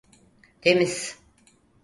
Temiz.